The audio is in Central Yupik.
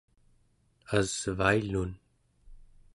asvailun